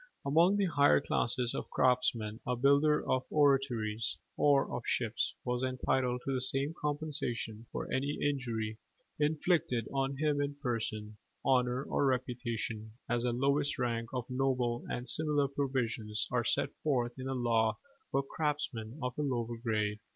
Among the higher classes of craftsmen a builder of oratories or of ships was entitled to the same compensation for any injury inflicted on him in person, honour, or reputation, as the lowest rank of noble: and similar provisions are set forth in the law for craftsmen of a lower grade.